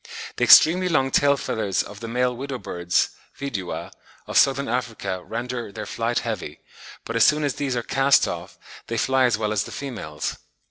The extremely long tail feathers of the male widow birds (Vidua) of Southern Africa render "their flight heavy;" but as soon as these are cast off they fly as well as the females.